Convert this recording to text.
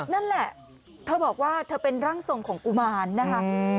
นั่นแหละเธอบอกว่าเธอเป็นร่างทรงของกุมารนะคะ